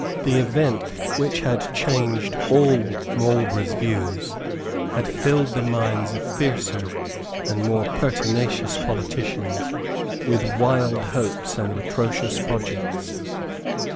The event which had changed all Marlborough's views had filled the minds of fiercer and more pertinacious politicians with wild hopes and atrocious projects.